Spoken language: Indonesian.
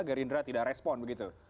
gerindra tidak respon begitu